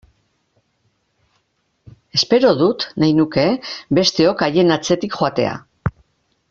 Espero dut, nahi nuke, besteok haien atzetik joatea!